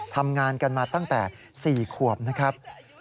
ทำงานกันมาตั้งแต่๔ขวบนะครับ